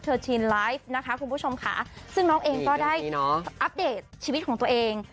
ชินไลฟ์นะคะคุณผู้ชมค่ะซึ่งน้องเองก็ได้อัปเดตชีวิตของตัวเอง